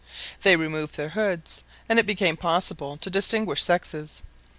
They removed their hoods, and it became possible to distinguish sexes.